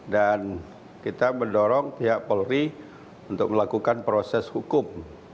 dan kita mendorong pihak polri untuk melakukan proses hukum